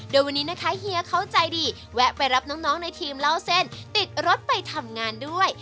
โดยวันนี้นะคะเฮียเขาใจดีแวะไปรับน้องในทีมเล่าเส้นติดรถไปทำงานด้วย